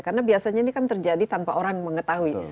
karena biasanya ini kan terjadi tanpa orang mengetahui